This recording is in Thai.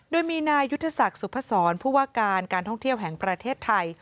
โดยมีนายุทธศักดิ์สุพศรผู้ว่าการการท่องเที่ยวแห่งประเทศไทย